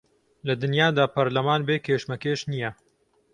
لە دنیادا پەرلەمان بێ کێشمەکێش نییە